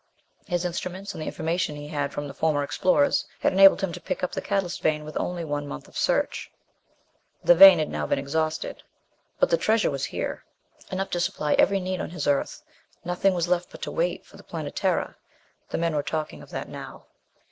His instruments, and the information he had from the former explorers, had enabled him to pick up the catalyst vein with only one month of search. The vein had now been exhausted; but the treasure was here enough to supply every need on his Earth! Nothing was left but to wait for the Planetara. The men were talking of that now.